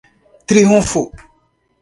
Triunfo